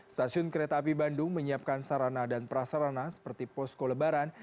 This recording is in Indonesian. stasiun kereta api bandung menyiapkan sarana dan prasarana seperti posko lebaran